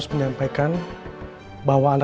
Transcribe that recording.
astaga bank keras kan